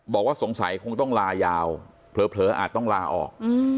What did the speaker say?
บอกว่าสงสัยคงต้องลายาวเผลออาจต้องลาออก